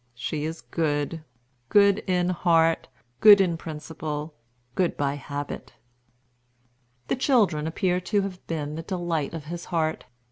She is good; good in heart, good in principle, good by habit." The children appear to have been the delight of his heart.